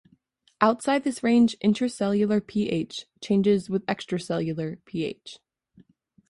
Outside this range, intracellular pH changes with extracelular pH.